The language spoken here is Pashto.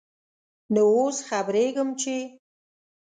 نوو اوس خبريږم ، چې ...